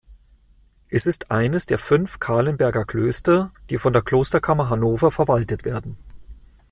Es ist eines der fünf Calenberger Klöster, die von der Klosterkammer Hannover verwaltet werden.